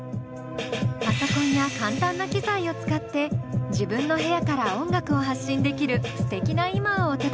パソコンや簡単な機材を使って自分の部屋から音楽を発信できるすてきな今をお届け。